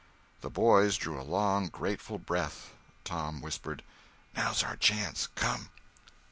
The boys drew a long, grateful breath. Tom whispered: "Now's our chance—come!"